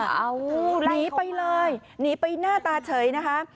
หนีไปเลยหนีไปหน้าตาเฉยนะคะ